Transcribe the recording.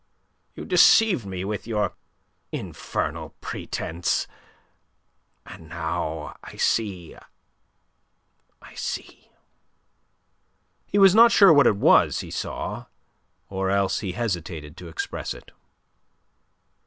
You deceived me with your infernal pretence, and now I see... I see..." He was not sure what it was that he saw, or else he hesitated to express it.